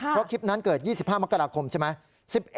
เพราะคลิปนั้นเกิด๒๕มกราคมใช่ไหม